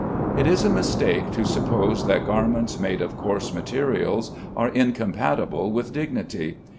It is a mistake to suppose that garments made of coarse materials are incompatible with dignity.